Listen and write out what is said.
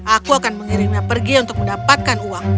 aku akan mengirimnya pergi untuk mendapatkan uang